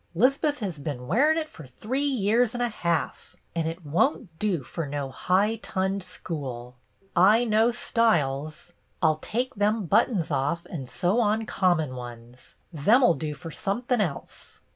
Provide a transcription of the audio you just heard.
'Lizbeth has been wearin' it fer three years an' a ha'f, and it won't do fer no high tunned school. I know styles. I 'll take them buttons off and sew on common ones. Them 'll do fer somethin' else."